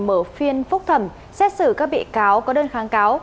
mở phiên phúc thẩm xét xử các bị cáo có đơn kháng cáo